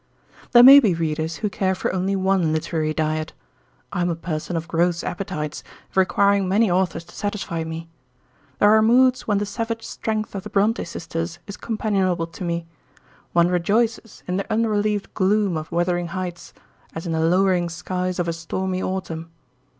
There may be readers who care for only one literary diet. I am a person of gross appetites, requiring many authors to satisfy me. There are moods when the savage strength of the Bronte sisters is companionable to me. One rejoices in the unrelieved gloom of "Wuthering Heights," as in the lowering skies of a stormy autumn.